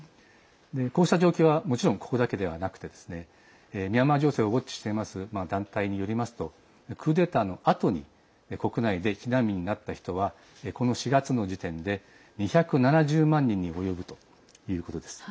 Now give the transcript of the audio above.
こうした状況はもちろん、ここだけではなくてミャンマー情勢をウォッチしています団体によりますとクーデターのあとに国内で避難民になった人はこの４月の時点で２７０万人に及ぶということです。